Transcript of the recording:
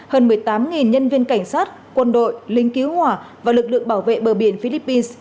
hơn một mươi tám nhân viên cảnh sát quân đội lính cứu hỏa và lực lượng bảo vệ bờ biển philippines